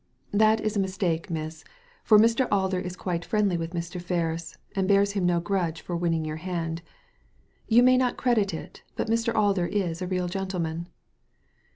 " That is a mistake, miss ; for Mr. Alder is quite friendly with Mr. Ferris, and bears him no grudge for winning your hand. You may not credit it, but Mr. Alder is a real gentleman."